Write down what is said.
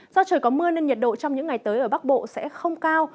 do trời có mưa nên nhiệt độ trong những ngày tới ở bắc bộ sẽ không cao